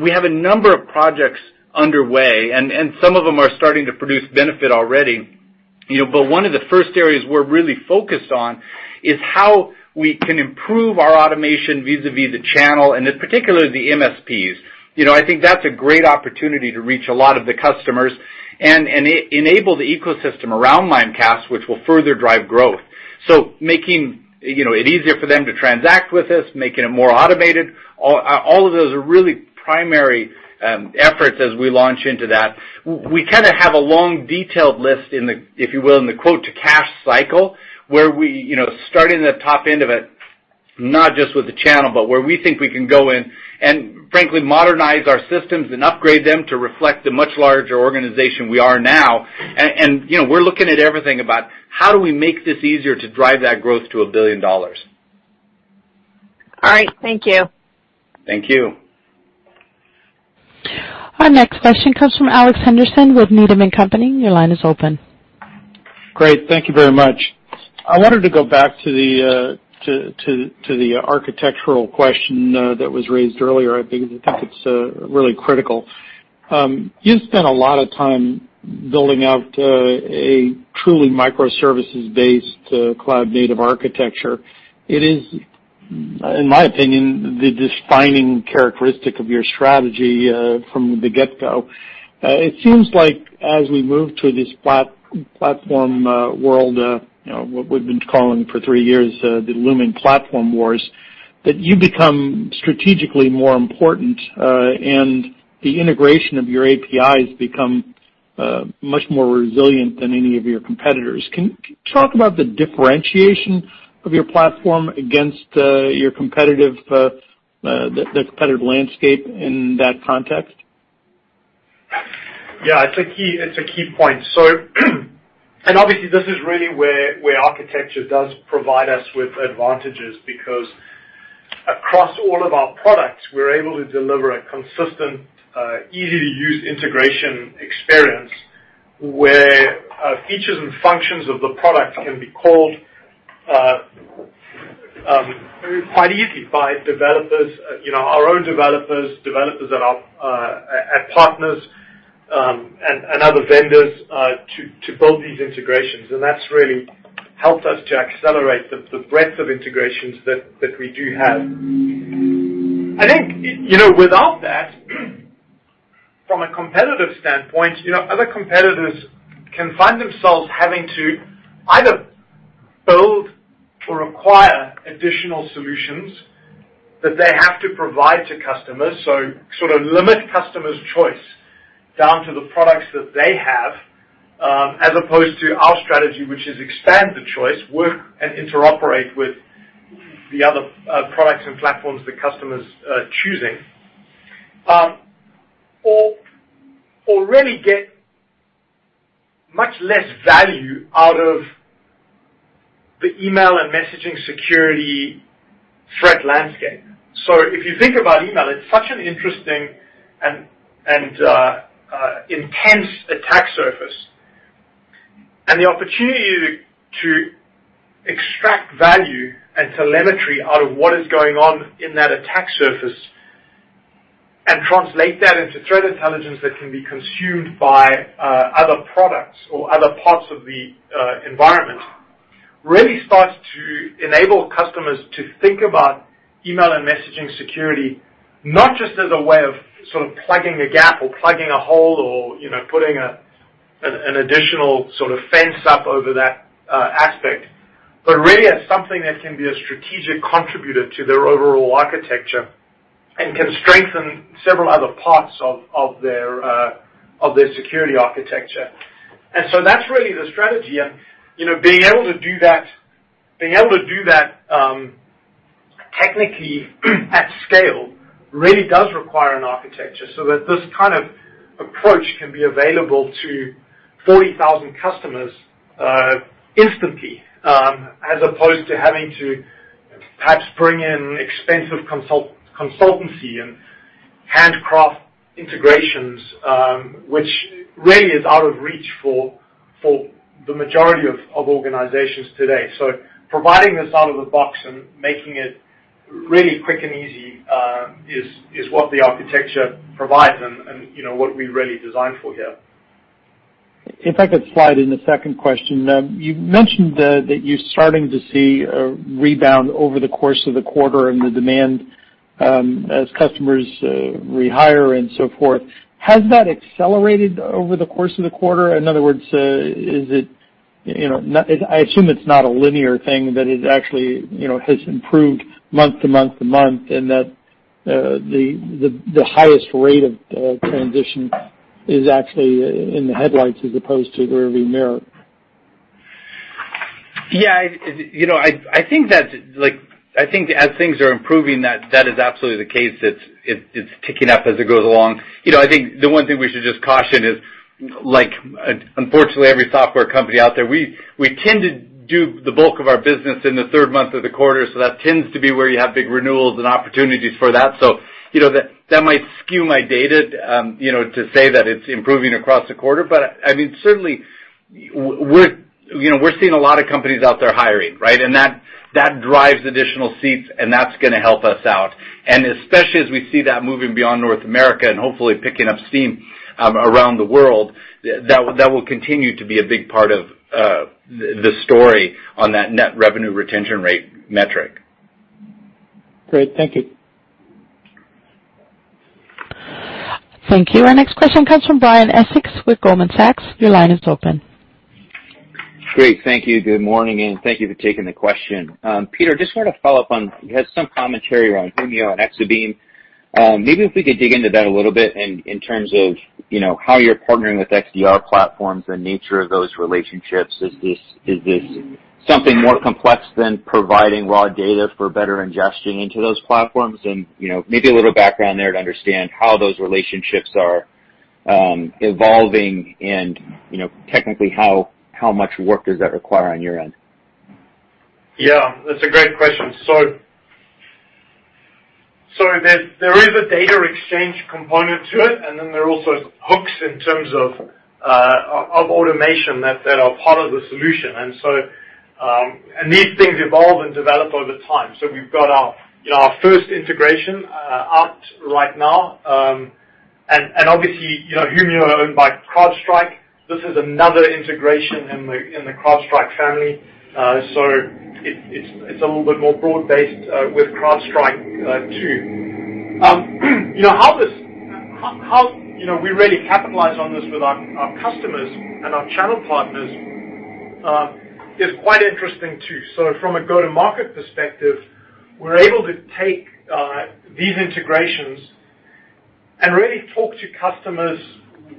We have a number of projects underway, and some of them are starting to produce benefit already. One of the first areas we're really focused on is how we can improve our automation vis-a-vis the channel, and in particular, the MSPs. I think that's a great opportunity to reach a lot of the customers and enable the ecosystem around Mimecast, which will further drive growth. Making it easier for them to transact with us, making it more automated, all of those are really primary efforts as we launch into that. We kind of have a long detailed list in the, if you will, in the quote to cash cycle, where we, starting at the top end of it, not just with the channel, but where we think we can go in and frankly modernize our systems and upgrade them to reflect the much larger organization we are now. We're looking at everything about how do we make this easier to drive that growth to $1 billion. All right. Thank you. Thank you. Our next question comes from Alex Henderson with Needham & Company. Your line is open. Great. Thank you very much. I wanted to go back to the architectural question that was raised earlier. I think it's really critical. You've spent a lot of time building out a truly microservices-based cloud-native architecture. It is, in my opinion, the defining characteristic of your strategy from the get-go. It seems like as we move to this platform world, what we've been calling for three years the looming platform wars, that you become strategically more important, and the integration of your APIs become much more resilient than any of your competitors. Can you talk about the differentiation of your platform against the competitive landscape in that context? Yeah, it's a key point. Obviously, this is really where architecture does provide us with advantages because across all of our products, we're able to deliver a consistent, easy-to-use integration experience where features and functions of the product can be called quite easily by developers, our own developers at partners, and other vendors, to build these integrations. That's really helped us to accelerate the breath of integrations that we do have. I think, without that, from a competitive standpoint, other competitors can find themselves having to either require additional solutions that they have to provide to customers. Limit customers' choice down to the products that they have, as opposed to our strategy, which is expand the choice, work, and interoperate with the other products and platforms the customer's choosing. Really get much less value out of the email and messaging security threat landscape. If you think about email, it's such an interesting and intense attack surface, and the opportunity to extract value and telemetry out of what is going on in that attack surface and translate that into threat intelligence that can be consumed by other products or other parts of the environment, really starts to enable customers to think about email and messaging security, not just as a way of plugging a gap or plugging a hole or putting an additional fence up over that aspect, but really as something that can be a strategic contributor to their overall architecture and can strengthen several other parts of their security architecture. That's really the strategy. Being able to do that technically at scale really does require an architecture so that this kind of approach can be available to 40,000 customers instantly, as opposed to having to perhaps bring in expensive consultancy and handcraft integrations, which really is out of reach for the majority of organizations today. Providing this out of the box and making it really quick and easy, is what the architecture provides and what we really designed for here. If I could slide in a second question. You mentioned that you're starting to see a rebound over the course of the quarter and the demand, as customers rehire and so forth. Has that accelerated over the course of the quarter? In other words, I assume it's not a linear thing, that it actually has improved month to month to month, and that the highest rate of transition is actually in the headlights as opposed to the rear view mirror. Yeah. I think as things are improving, that is absolutely the case. It's ticking up as it goes along. I think the one thing we should just caution is, like unfortunately every software company out there, we tend to do the bulk of our business in the third month of the quarter, so that tends to be where you have big renewals and opportunities for that. That might skew my data to say that it's improving across the quarter. Certainly, we're seeing a lot of companies out there hiring, right? That drives additional seats, and that's going to help us out. Especially as we see that moving beyond North America and hopefully picking up steam around the world, that will continue to be a big part of the story on that net revenue retention rate metric. Great. Thank you. Thank you. Our next question comes from Brian Essex with Goldman Sachs. Your line is open. Great. Thank you. Good morning, and thank you for taking the question. Peter, just want to follow up on, you had some commentary around Humio and Exabeam. Maybe if we could dig into that a little bit in terms of how you're partnering with XDR platforms, the nature of those relationships. Is this something more complex than providing raw data for better ingestion into those platforms? Maybe a little background there to understand how those relationships are evolving and technically, how much work does that require on your end? That's a great question. There is a data exchange component to it, and then there are also hooks in terms of automation that are part of the solution. These things evolve and develop over time. We've got our first integration out right now. Obviously, Humio are owned by CrowdStrike. This is another integration in the CrowdStrike family. It's a little bit more broad-based with CrowdStrike, too. How we really capitalize on this with our customers and our channel partners, is quite interesting, too. From a go-to-market perspective, we're able to take these integrations and really talk to customers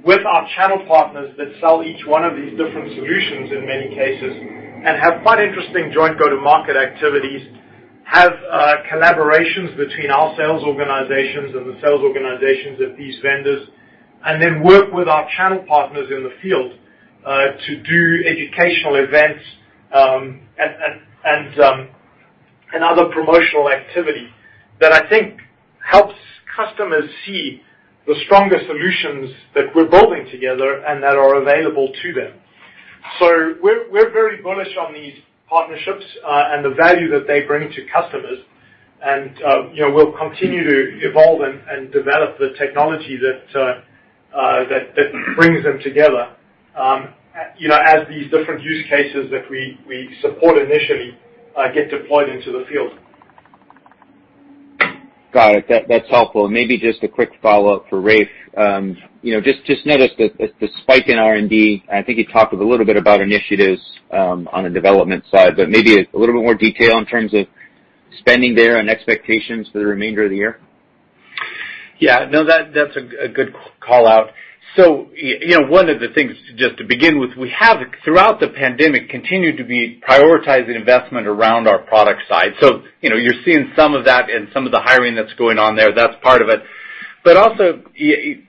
with our channel partners that sell each one of these different solutions in many cases, and have quite interesting joint go-to-market activities, have collaborations between our sales organizations and the sales organizations of these vendors, and then work with our channel partners in the field, to do educational events, and other promotional activity that I think helps customers see the stronger solutions that we're building together and that are available to them. We're very bullish on these partnerships, and the value that they bring to customers. We'll continue to evolve and develop the technology that brings them together, as these different use cases that we support initially, get deployed into the field. Got it. That's helpful. Maybe just a quick follow-up for Rafe. Just noticed the spike in R&D, and I think you talked a little bit about initiatives on the development side, but maybe a little bit more detail in terms of spending there and expectations for the remainder of the year. That's a good call-out. One of the things, just to begin with, we have, throughout the pandemic, continued to be prioritizing investment around our product side. You're seeing some of that and some of the hiring that's going on there. That's part of it. Also,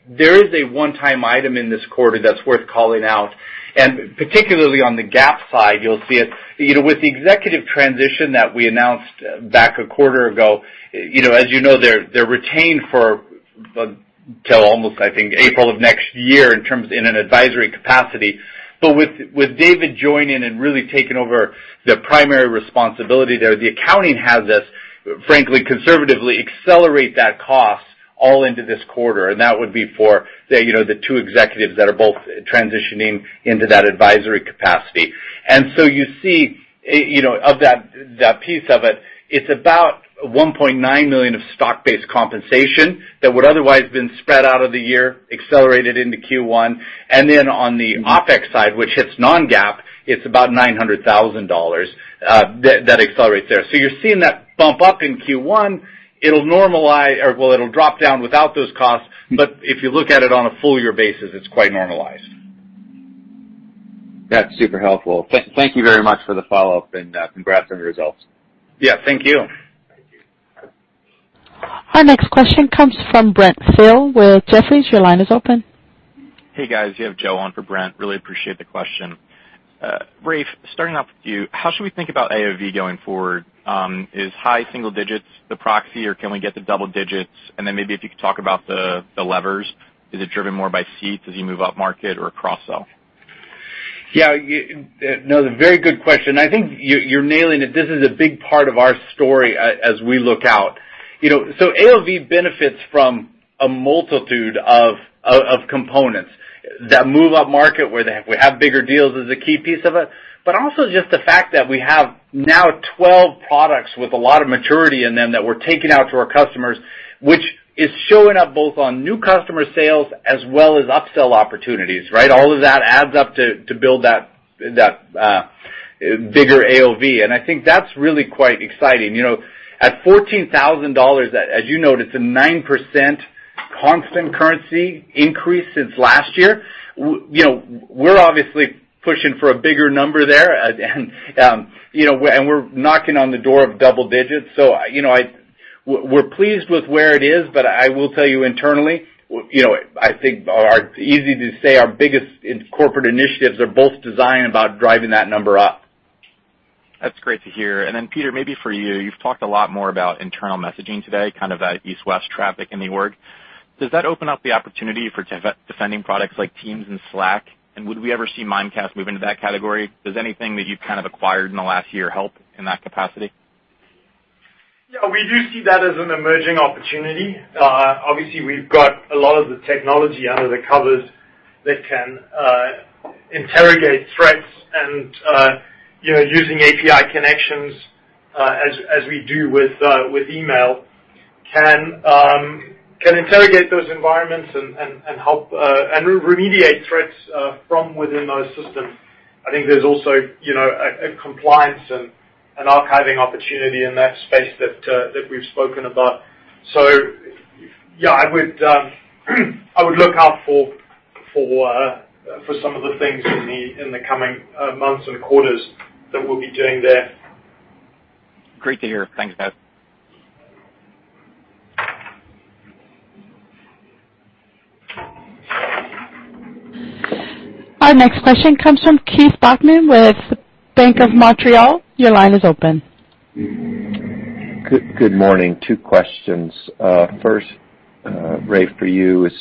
there is a one-time item in this quarter that's worth calling out, and particularly on the GAAP side, you'll see it. With the executive transition that we announced back a quarter ago, as you know, they're retained till almost, I think, April of next year in an advisory capacity. With David joining and really taking over the primary responsibility there, the accounting has this, frankly, conservatively accelerate that cost all into this quarter, and that would be for the two executives that are both transitioning into that advisory capacity. You see, that piece of it's about $1.9 million of stock-based compensation that would otherwise been spread out of the year, accelerated into Q1. On the OpEx side, which hits non-GAAP, it's about $900,000 that accelerates there. You're seeing that bump up in Q1. It'll normalize, or, well, it'll drop down without those costs. If you look at it on a full-year basis, it's quite normalized. That's super helpful. Thank you very much for the follow-up, and congrats on your results. Yeah. Thank you. Our next question comes from Brent Thill with Jefferies. Your line is open. Hey, guys. You have Joe on for Brent. Really appreciate the question. Rafe, starting off with you, how should we think about AOV going forward? Is high single digits the proxy, or can we get to double digits? Maybe if you could talk about the levers. Is it driven more by seats as you move up market or cross-sell? Yeah. No, very good question. I think you're nailing it. This is a big part of our story as we look out. AOV benefits from a multitude of components. That move up market where we have bigger deals is a key piece of it, but also just the fact that we have now 12 products with a lot of maturity in them that we're taking out to our customers, which is showing up both on new customer sales as well as upsell opportunities, right. All of that adds up to build that bigger AOV, and I think that's really quite exciting. At $14,000, as you noted, some 9% constant currency increase since last year. We're obviously pushing for a bigger number there, and we're knocking on the door of double digits. We're pleased with where it is, but I will tell you internally, I think it's easy to say our biggest corporate initiatives are both designed about driving that number up. That's great to hear. Peter, maybe for you've talked a lot more about internal messaging today, kind of that east-west traffic in the org. Does that open up the opportunity for defending products like Teams and Slack? Would we ever see Mimecast move into that category? Does anything that you've kind of acquired in the last year help in that capacity? Yeah. We do see that as an emerging opportunity. Obviously, we've got a lot of the technology under the covers that can interrogate threats and, using API connections, as we do with email, can interrogate those environments and remediate threats from within those systems. I think there's also a compliance and archiving opportunity in that space that we've spoken about. Yeah, I would look out for some of the things in the coming months and quarters that we'll be doing there. Great to hear. Thanks, guys. Our next question comes from Keith Bachman with Bank of Montreal. Your line is open. Good morning. Two questions. First, Rafe, for you is,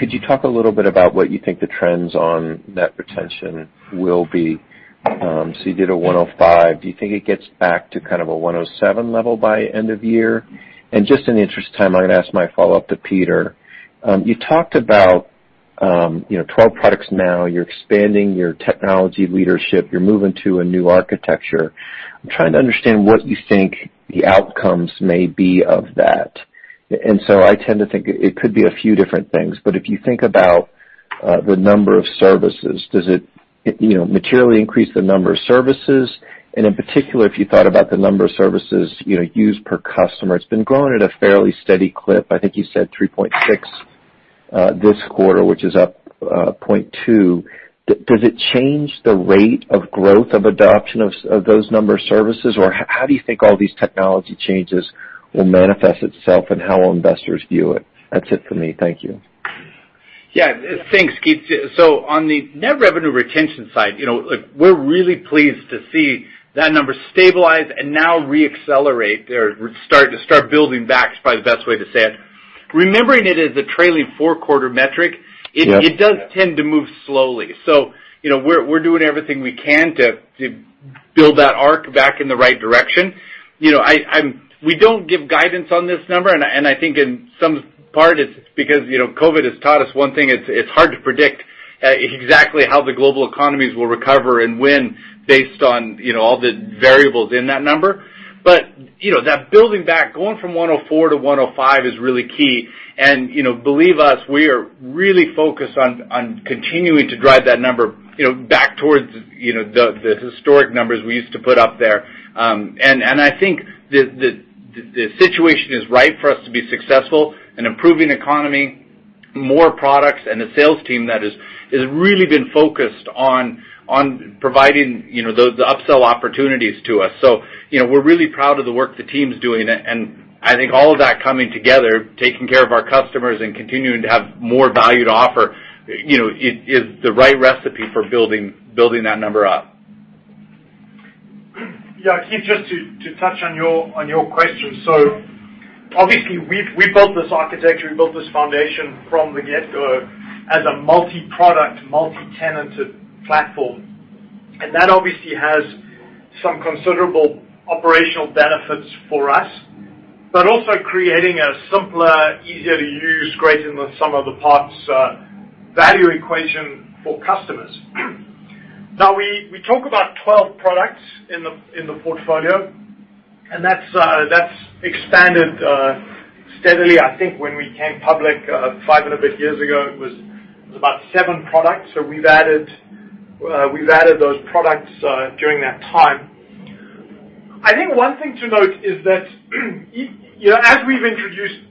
could you talk a little bit about what you think the trends on net retention will be? You did 105%. Do you think it gets back to kind of a 107% level by end of year? Just in the interest of time, I'm going to ask my follow-up to Peter. You talked about 12 products now. You're expanding your technology leadership. You're moving to a new architecture. I'm trying to understand what you think the outcomes may be of that. I tend to think it could be a few different things, but if you think about the number of services, does it materially increase the number of services? In particular, if you thought about the number of services used per customer, it's been growing at a fairly steady clip. I think you said 3.6 this quarter, which is up 0.2. Does it change the rate of growth of adoption of those number of services, or how do you think all these technology changes will manifest itself and how investors view it? That's it for me. Thank you. Yeah. Thanks, Keith. On the net revenue retention side, we're really pleased to see that number stabilize and now re-accelerate there. Start building back is probably the best way to say it. Remembering it as a trailing four-quarter metric. Yeah it does tend to move slowly. We're doing everything we can to build that arc back in the right direction. We don't give guidance on this number, and I think in some part it's because COVID has taught us one thing, it's hard to predict exactly how the global economies will recover and when based on all the variables in that number. That building back, going from 104 to 105 is really key. Believe us, we are really focused on continuing to drive that number back towards the historic numbers we used to put up there. I think the situation is right for us to be successful in improving economy, more products, and a sales team that has really been focused on providing the upsell opportunities to us. We're really proud of the work the team's doing, and I think all of that coming together, taking care of our customers and continuing to have more value to offer, is the right recipe for building that number up. Yeah, Keith, just to touch on your question. Obviously we built this architecture, we built this foundation from the get-go as a multi-product, multi-tenanted platform. That obviously has some considerable operational benefits for us, but also creating a simpler, easier to use, greater than the sum of the parts value equation for customers. We talk about 12 products in the portfolio, and that's expanded steadily. I think when we came public five and a bit years ago, it was about seven products. We've added those products during that time. I think one thing to note is that as we've introduced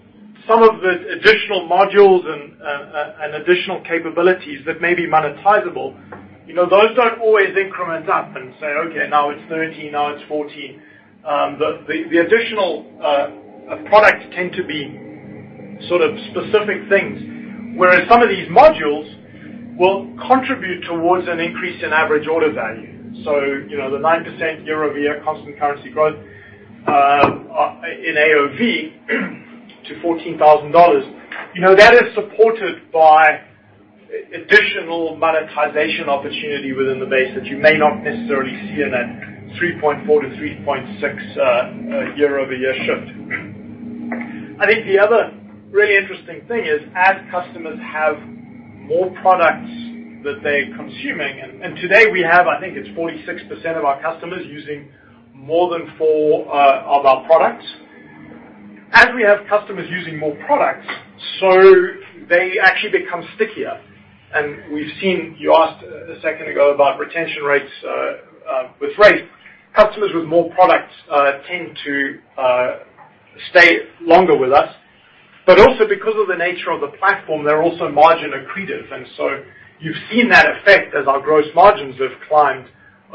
some of the additional modules and additional capabilities that may be monetizable, those don't always increment up and say, "Okay, now it's 13, now it's 14." The additional products tend to be sort of specific things, whereas some of these modules will contribute towards an increase in average order value. The 9% year-over-year constant currency growth in AOV to $14,000. That is supported by additional monetization opportunity within the base that you may not necessarily see in a 3.4-3.6 year-over-year shift. I think the other really interesting thing is as customers have more products that they're consuming, and today we have, I think it's 46% of our customers using more than four of our products. As we have customers using more products, they actually become stickier. We've seen, you asked a second ago about retention rates with Rafe. Customers with more products tend to stay longer with us. Also because of the nature of the platform, they're also margin accretive. You've seen that effect as our gross margins have climbed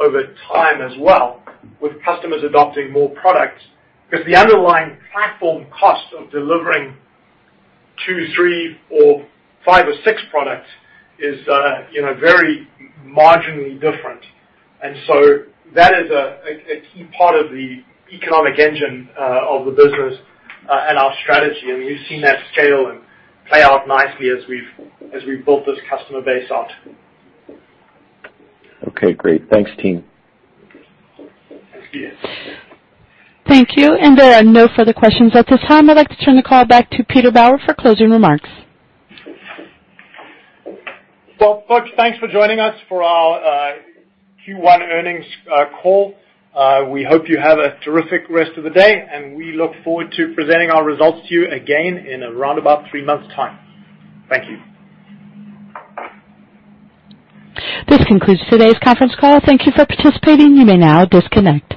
over time as well with customers adopting more products. Because the underlying platform cost of delivering two, three or five or six products is very marginally different. That is a key part of the economic engine of the business and our strategy. You've seen that scale and play out nicely as we've built this customer base out. Okay, great. Thanks, team. Thanks, Keith. Thank you. There are no further questions at this time. I'd like to turn the call back to Peter Bauer for closing remarks. Well, folks, thanks for joining us for our Q1 earnings call. We hope you have a terrific rest of the day, and we look forward to presenting our results to you again in around about three months time. Thank you. This concludes today's conference call. Thank you for participating. You may now disconnect.